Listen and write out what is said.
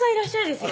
ですよ